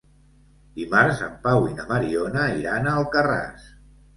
Dimarts en Pau i na Mariona iran a Alcarràs.